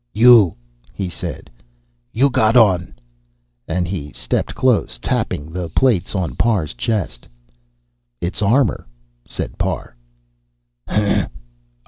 "You," he said. "You got on " And he stepped close, tapping the plates on Parr's chest. "It's armor," said Parr.